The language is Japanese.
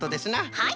はい。